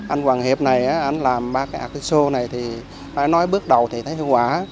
anh hoàng hiệp này anh làm ba cái artichoke này thì phải nói bước đầu thì thấy hữu quả